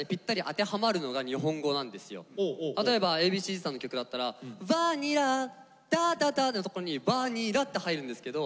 例えばＡ．Ｂ．Ｃ−Ｚさんの曲だったら「Ｖａｎｉｌｌａ」「タタター」のところに「Ｖａｎｉｌｌａ」って入るんですけど